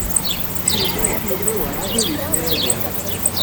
Yuba werɛad ur yezmir ad iɛum.